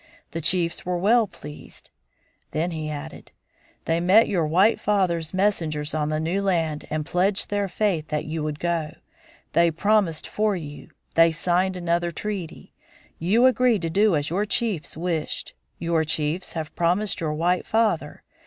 The chiefs were well pleased." Then he added, "They met your white father's messengers on the new land and pledged their faith that you would go. They promised for you. They signed another treaty. You agreed to do as your chiefs wished. Your chiefs have promised your white father.